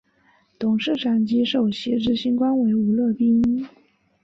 董事长及首席执行官为吴乐斌。